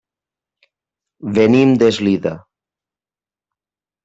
Venim d'Eslida.